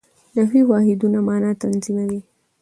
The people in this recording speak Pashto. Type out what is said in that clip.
نحوي واحدونه مانا تنظیموي.